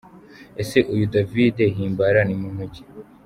Ese uyu David Himbara ni muntu ki ?